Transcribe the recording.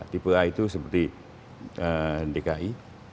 tipe a itu seperti dki